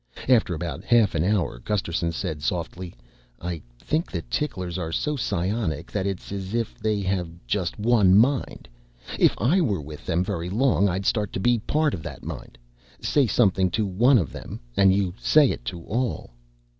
After about half an hour Gusterson said softly, "I think the ticklers are so psionic that it's as if they just had one mind. If I were with them very long I'd start to be part of that mind. Say something to one of them and you say it to all."